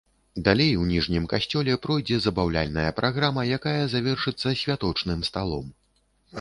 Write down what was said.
Далей у ніжнім касцёле пройдзе забаўляльная праграма, якая завершыцца святочным сталом.